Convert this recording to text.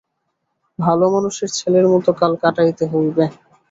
ভালোমানুষের ছেলের মতো কাল কাটাইতে হইবে।